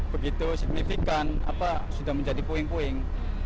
begitu signifikan sudah menjadi puing puing